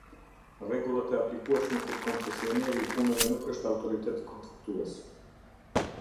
Rregullat e aplikueshme kur koncesioneri i punëve nuk është autoritet kontraktues.